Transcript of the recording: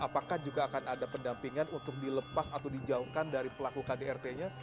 apakah juga akan ada pendampingan untuk dilepas atau dijauhkan dari pelaku kdrt nya